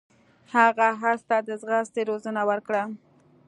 هغه اس ته د ځغاستې روزنه ورکړه.